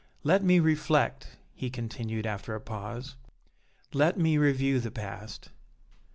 Let me reflect," he continued, after a pause, "let me review the past.